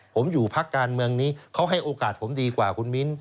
ผมอยู่พักการเมืองนี้เขาให้โอกาสผมดีกว่าคุณมิ้น